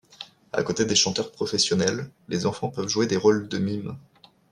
À côté des chanteurs professionnels, les enfants peuvent jouer des rôles de mime.